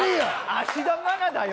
芦田愛菜だよ。